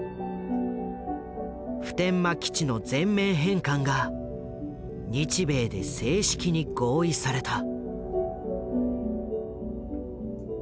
普天間基地の全面返還が日米で正式に合意された。